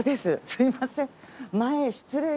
すいません。